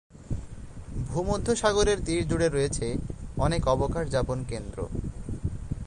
ভূমধ্যসাগরের তীর জুড়ে রয়েছে অনেক অবকাশ যাপন কেন্দ্র।